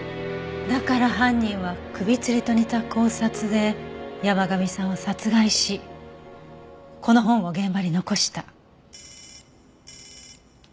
だから犯人は首つりと似た絞殺で山神さんを殺害しこの本を現場に残した。